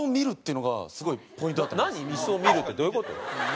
イスを見るってどういう事？